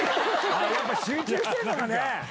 やっぱ集中してんのかね。